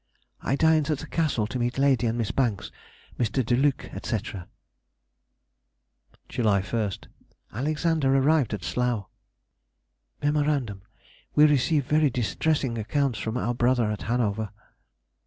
_—I dined at the Castle to meet Lady and Miss Banks, Mr. De Luc, &c. July 1st.—Alexander arrived at Slough. Mem. We received very distressing accounts from our brother at Hanover.